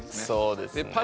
そうですね。